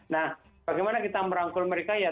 nah bagaimana kita merangkul mereka ya